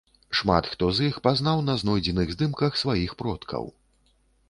Шмат хто з іх пазнаў на знойдзеных здымках сваіх продкаў.